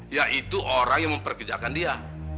yaitu orang yang memperkejakan dia